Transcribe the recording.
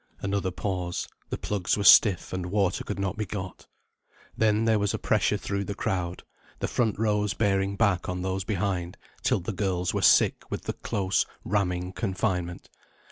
Another pause; the plugs were stiff, and water could not be got. Then there was a pressure through the crowd, the front rows bearing back on those behind, till the girls were sick with the close ramming confinement.